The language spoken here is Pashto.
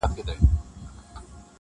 • له خپل یزدانه ګوښه -